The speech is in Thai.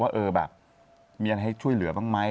ว่าเออแบบมีอะไรให้ช่วยเหลือบ้างไหม